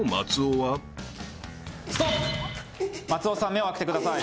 松尾さん目を開けてください。